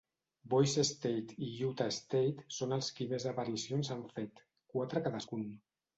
Bois State i Utah State són els qui més aparicions han fet, quatre cadascun.